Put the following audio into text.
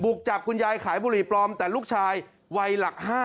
กจับคุณยายขายบุหรี่ปลอมแต่ลูกชายวัยหลัก๕